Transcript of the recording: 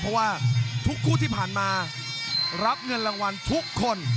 เพราะว่าทุกคู่ที่ผ่านมารับเงินรางวัลทุกคน